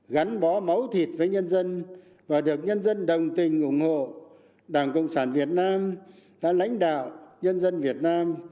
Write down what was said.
gắn bó máu thịt với nhân dân và được nhân dân đồng tình ủng hộ đảng cộng sản việt nam đã lãnh đạo nhân dân việt nam